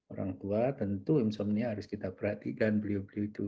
orang tua tentu insomnya harus kita perhatikan beliau beliau itu